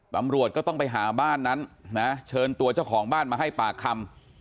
ตำรวจก็ต้องไปหาบ้านนั้นนะเชิญตัวเจ้าของบ้านมาให้ปากคำ